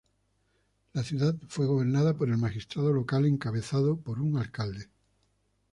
La ciudad fue gobernada por el magistrado local encabezado por un alcalde.